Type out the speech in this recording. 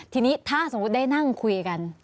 ทีนี้ถ้าสมมุติได้นั่งคุยกัน